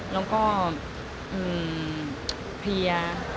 แล้วก็เพลีย